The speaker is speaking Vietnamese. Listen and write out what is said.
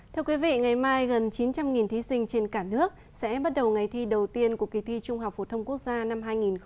thưa quý vị ngày mai gần chín trăm linh thí sinh trên cả nước sẽ bắt đầu ngày thi đầu tiên của kỳ thi trung học phổ thông quốc gia năm hai nghìn một mươi chín